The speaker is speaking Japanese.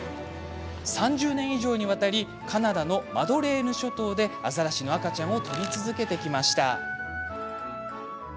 ３０年以上にわたりカナダのマドレーヌ諸島でアザラシの赤ちゃんを撮り続けてきました。